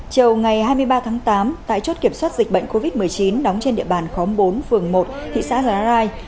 chiều ngày hai mươi ba tháng tám tại chốt kiểm soát dịch bệnh covid một mươi chín đóng trên địa bàn khóm bốn phường một thị xã giá rai